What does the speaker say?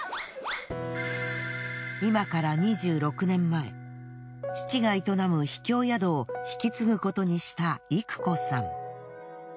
今から２６年前父が営む秘境宿を引き継ぐことにしたいく子さん。